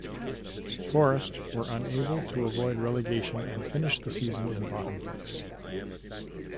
Forest were unable to avoid relegation and finished the season in bottom place.